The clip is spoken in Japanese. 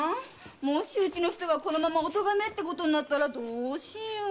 もしうちの人がこのままお咎めになったらどうしよう。